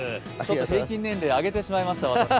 平均年齢上げてしまいました。